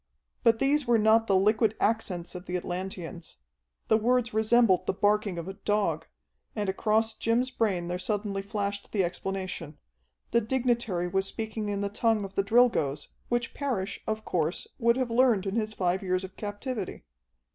But these were not the liquid accents of the Atlanteans. The words resembled the barking of a dog, and across Jim's brain there suddenly flashed the explanation. The dignitary was speaking in the tongue of the Drilgoes, which Parrish, of course, would have learned in his five years of captivity.